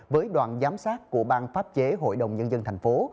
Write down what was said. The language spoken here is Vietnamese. với đoàn giám sát của bang pháp chế hội đồng nhân dân thành phố